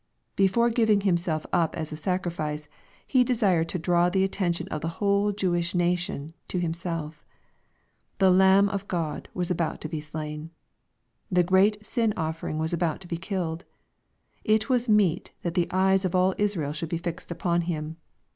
Before giving Himself up as a sacrifice, He desired to draw the attention of the whole Jewish nation to Himself. The Lamb of God was about to be slain. The great sin offering was about to be killed. It was meet that the eyes of all Israel should be fixed upon Him.